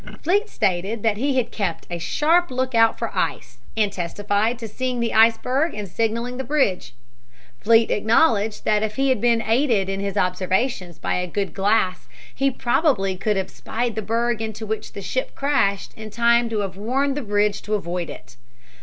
Fleet stated that he had kept a sharp lookout for ice, and testified to seeing the iceberg and signaling the bridge. Fleet acknowledged that if he had been aided in his observations by a good glass he probably could have spied the berg into which the ship crashed in time to have warned the bridge to avoid it.